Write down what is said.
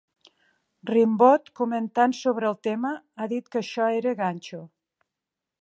Rimbaud, comentant sobre el tema, ha dit que això era ganxo.